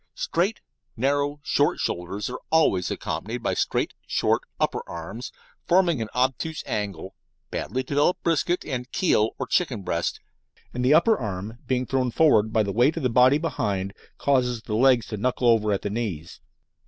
Straight, narrow, short shoulders are always accompanied by straight, short, upper arms, forming an obtuse angle, badly developed brisket and "keel" or chicken breast, and the upper arm being thrown forward by the weight of the body behind causes the legs to knuckle over at the "knees."